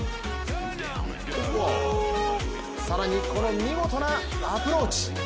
更にこの見事なアプローチ。